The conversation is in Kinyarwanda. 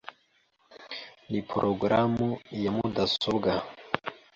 Ni porogaramu ya mudasobwa .